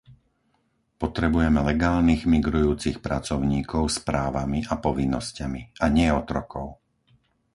Potrebujeme legálnych migrujúcich pracovníkov s právami a povinnosťami, a nie otrokov.